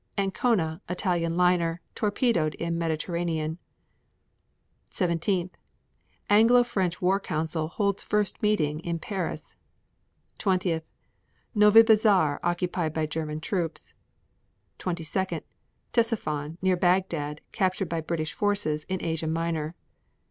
Ancona, Italian liner, torpedoed in Mediterranean. 17. Anglo French war council holds first meeting in Paris. 20. Novibazar occupied by German troops. 22. Ctesiphon, near Bagdad, captured by British forces in Asia Minor.